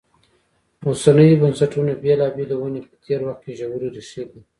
اوسنیو بنسټونو بېلابېلې ونې په تېر وخت کې ژورې ریښې لري.